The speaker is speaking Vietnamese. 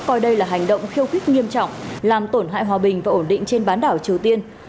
coi đây là hành động khiêu khích nghiêm trọng làm tổn hại hòa bình và ổn định trên bán đảo triều tiên